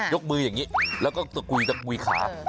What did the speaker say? ยกมืออย่างนี้แล้วก็ตะกุยตะกุยขา